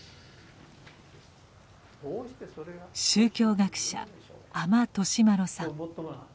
宗教学者阿満利麿さん。